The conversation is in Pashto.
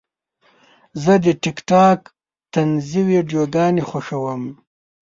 زه د ټک ټاک طنزي ویډیوګانې خوښوم.